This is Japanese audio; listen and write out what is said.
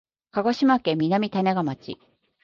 鹿児島県南種子町